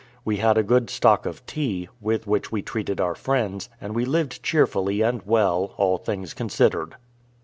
We had a good stock of tea, with which we treated our friends, and we lived cheerfully and well, all things considered.